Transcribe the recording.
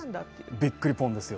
びっくりぽんですよ。